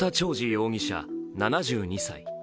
容疑者７２歳。